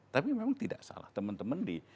tapi memang tidak salah temen temen di